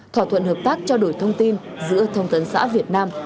thỏa thuận hợp tác trao đổi thông tin giữa thông tấn xã việt nam